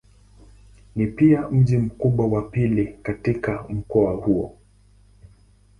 Ni pia mji mkubwa wa pili katika mkoa huu.